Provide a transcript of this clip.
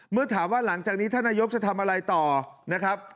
เมื่อถามว่าหลังจากนี้ท่านนายกจะทำอะไรต่อนะครับ